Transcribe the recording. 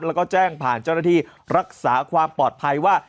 แล้วก็แจ้งผ่านเจ้าหน้าที่รักษาความปลอดภัยว่า